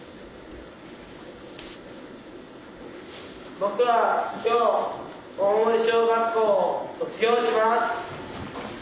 僕は今日大森小学校を卒業します。